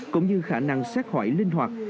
cũng như khả năng xét khỏi linh hoạt